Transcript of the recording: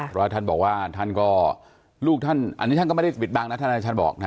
เพราะว่าท่านบอกว่าท่านก็ลูกท่านอันนี้ท่านก็ไม่ได้ปิดบังนะท่านอาจารย์บอกนะ